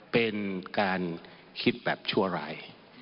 เป็นการคิดแบบชั่วร้าย